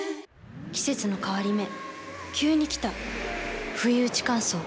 季節の変わり目急に来たふいうち乾燥。